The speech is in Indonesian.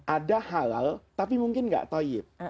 ada halal tapi mungkin nggak toyib